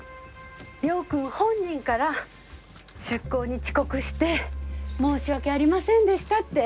亮君本人から出港に遅刻して申し訳ありませんでしたって。